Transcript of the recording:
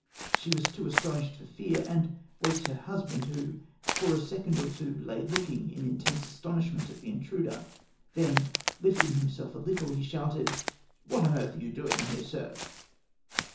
She was too astonished for fear, and waked her husband, who "for a second or two lay looking in intense astonishment at the intruder; then, lifting himself a little, he shouted: 'What on earth are you doing here, sir?'